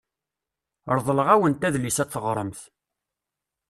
Reḍleɣ-awent adlis ad t-teɣremt.